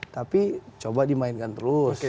tapi coba dimainkan terus